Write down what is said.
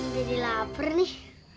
jadi lapar nih